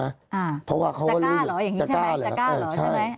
อ่าจะกล้าเหรออย่างนี้ใช่ไหมจะกล้าเหรอใช่ไหม